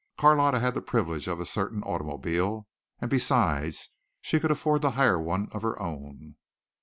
Carlotta had the privilege of a certain automobile and besides she could afford to hire one of her own.